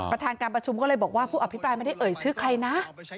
ประธานการประชุมก็เลยบอกว่าผู้อภิปรายไม่ได้เอ่ยชื่อใครนะ